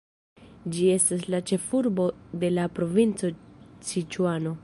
Ĝi estas la ĉef-urbo de la provinco Siĉuano.